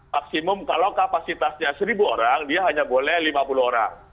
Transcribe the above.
maksimum kalau kapasitasnya seribu orang dia hanya boleh lima puluh orang